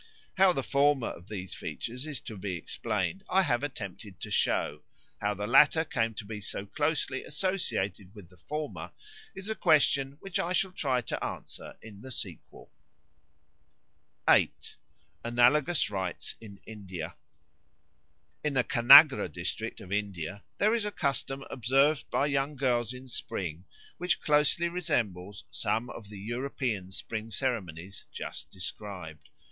How the former of these features is to be explained I have attempted to show: how the latter came to be so closely associated with the former is a question which I shall try to answer in the sequel. 8. Analogous Rites in India IN THE KANAGRA district of India there is a custom observed by young girls in spring which closely resembles some of the European spring ceremonies just described.